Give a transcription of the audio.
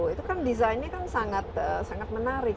itu kan desainnya kan sangat menarik